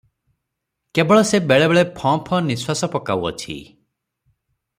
କେବଳ ସେ ବେଳେବେଳେ ଫଁ ଫଁ ନିଃଶ୍ୱାସ ପକାଉଅଛି ।